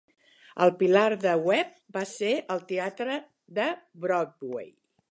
El pilar de Webb va ser el teatre de Broadway.